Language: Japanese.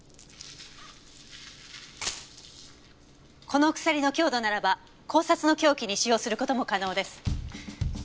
この鎖の強度ならば絞殺の凶器に使用する事も可能です。